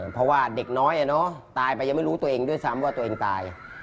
เพราะว่าเด็กน้อยตายไปยังไม่รู้ตัวเองด้วยซ้ำว่าตัวเองตาย